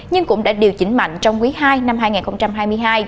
nhưng cũng đã điều chỉnh mạnh trong quý ii năm hai nghìn hai mươi hai